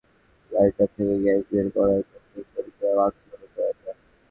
Lighter থেকে gas বের করার কক্ষে শ্রমিকেরা মাস্ক ব্যবহার করেন না।